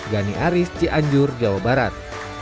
gani aris cianjur jawa barat